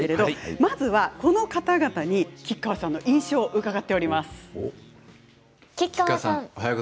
まずはこの方々に吉川さんの印象を伺っています。